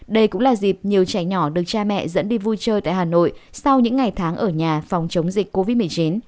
đây cũng là dịp nhiều trẻ nhỏ được cha mẹ dẫn đi vui chơi tại hà nội sau những ngày tháng ở nhà phòng chống dịch covid một mươi chín